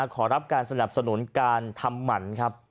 ขอรับการสนับสนุนการทำหมันครับ